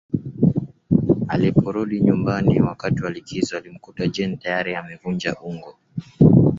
Aliporudi nyumbani wakati walikizo alimkuta Jane tayari amevunja ungo